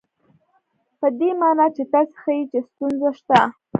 په دې مانا چې تاسې ښيئ چې ستونزه شته.